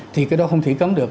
thì cái đó không thể cấm được